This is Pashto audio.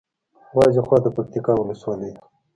وازېخواه د پکتیکا ولسوالي ده